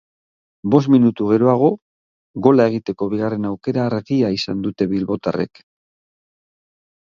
Bost minutu geroago, gola egiteko bigarren aukera argia izan dute bilbotarre.